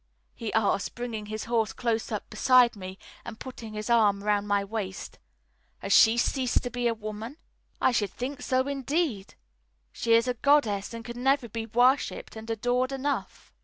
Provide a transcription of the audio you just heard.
he asked, bringing his horse close up beside me and putting his arm round my waist, "has she ceased to be a woman?" "I should think so indeed, she is a goddess, and can never be worshipped and adored enough."